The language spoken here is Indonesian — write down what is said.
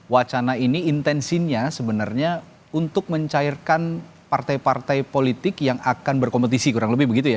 wacana ini intensinya sebenarnya untuk mencairkan partai partai politik yang akan berkompetisi kurang lebih begitu ya